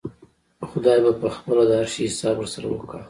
خداى به پخپله د هر شي حساب ورسره وکا.